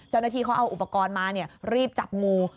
เจ้าหน้าที่เขาเอาอุปกรณ์มารีบจับงู